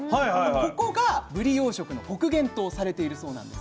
ここがぶり養殖の北限とされているそうなんです。